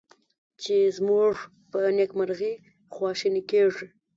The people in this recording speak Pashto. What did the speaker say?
چې زمونږ په نیکمرغي خواشیني کیږي